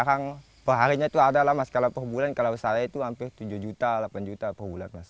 yang dulu kita biasa jualan keliling itu nggak bisa di prediksi mas